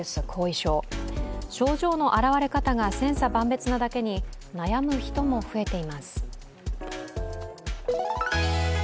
症状の表れ方が千差万別なだけに悩む人も増えています。